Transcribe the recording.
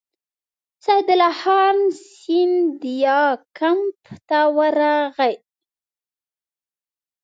سعدالله خان سیندیا کمپ ته ورغی.